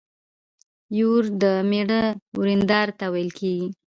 يور د مېړه ويرنداري ته ويل کيږي.